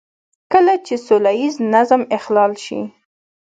کله چې سوله ييز نظم اخلال شي.